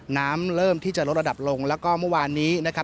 น้ำเริ่มที่จะลดระดับลงแล้วก็เมื่อวานนี้นะครับ